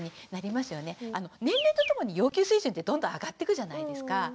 年齢とともに要求水準ってどんどん上がってくじゃないですか。